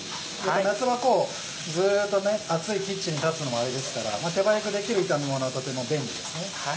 夏場ずっとね熱いキッチンに立つのもあれですから手早くできる炒めものとても便利ですね。